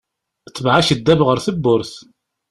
Tbeɛ akeddab ɣer tebburt.